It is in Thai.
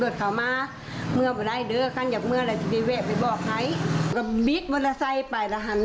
จะเลยคิดว่า